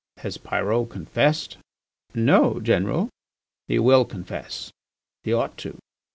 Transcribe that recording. Has Pyrot confessed?" "No, General." "He will confess, he ought to.